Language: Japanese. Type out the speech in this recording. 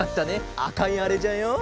あかいあれじゃよ。